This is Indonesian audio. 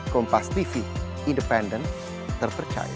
kompas tv independen terpercaya